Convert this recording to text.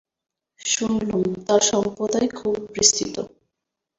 শুনলুম, তাঁর সম্প্রদায় খুব বিস্তৃত।